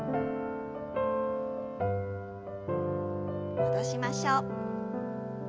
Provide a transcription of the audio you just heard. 戻しましょう。